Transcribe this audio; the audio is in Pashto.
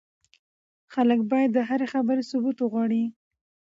خلک بايد د هرې خبرې ثبوت وغواړي.